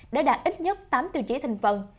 để đạt ít nhất tám tiêu chí thành phần